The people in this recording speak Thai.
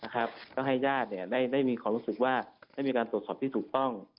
ก็ให้ญาติได้มีความรู้สึกว่าได้มีการตรวจสอบที่ถูกต้อง